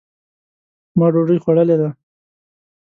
ما ډوډۍ خوړلې ده.